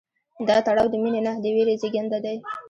دا تړاو د مینې نه، د ویرې زېږنده دی.